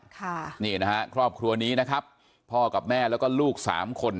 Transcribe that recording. ค่ะนี่นะฮะครอบครัวนี้นะครับพ่อกับแม่แล้วก็ลูกสามคน